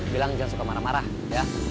bilang jangan suka marah marah ya